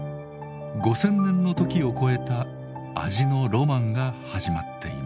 ５０００年の時を超えた味のロマンが始まっています。